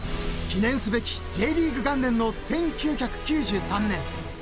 ［記念すべきＪリーグ元年の１９９３年］